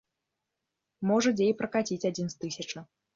Можа дзе і пракаціць адзін з тысячы.